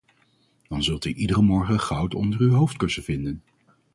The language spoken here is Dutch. Dan zult u iedere morgen goud onder uw hoofdkussen vinden.